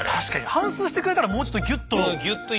反すうしてくれたらもうちょっとぎゅっとねえ。